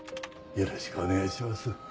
よろしくお願いします。